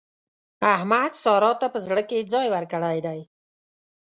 احمد سارا ته په زړه کې ځای ورکړی دی.